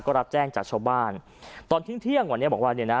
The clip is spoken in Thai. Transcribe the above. ก็รับแจ้งจากชาวบ้านตอนทิ้งเที่ยงวันนี้บอกว่าเนี่ยนะ